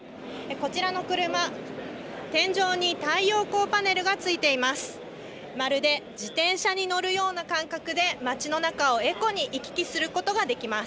こちらの車、天井に太陽光パネルがついています。